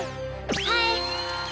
はい！